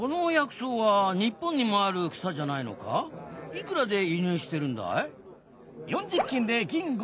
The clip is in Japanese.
いくらで輸入してるんだい？